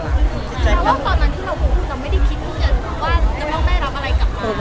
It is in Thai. เพราะว่าตอนนั้นที่เราพูดมันไม่ได้คิดว่าจะได้รับอะไรกลับมา